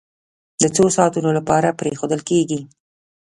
د څو ساعتونو لپاره پرېښودل کېږي.